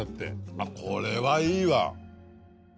あっこれはいいわ。